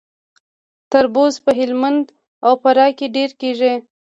تربوز په هلمند او فراه کې ډیر کیږي.